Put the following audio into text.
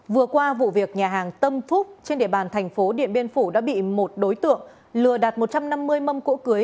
vừa qua vụ việc nhà hàng tâm phúc trên địa bàn thành phố điện biên phủ đã bị một đối tượng lừa đặt một trăm năm mươi mâm cỗ cưới